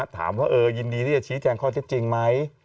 ทามว่ายินดีชื้าแชร์นี้ข้อเจ็บจริงไหม